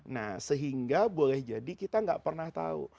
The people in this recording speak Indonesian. nah sehingga boleh jadi kita nggak pernah tahu